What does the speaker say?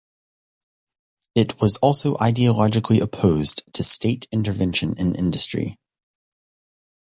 It was also ideologically opposed to state intervention in industry.